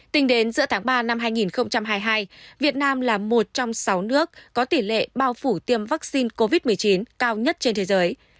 tính đến giữa tháng ba năm hai nghìn hai mươi hai việt nam là một trong sáu nước có tỷ lệ bao phủ tiêm vaccine covid một mươi chín cao nhất trên thế giới